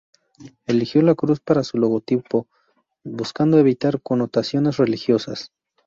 Eligió la cruz para su logotipo, buscando evitar connotaciones religiosas.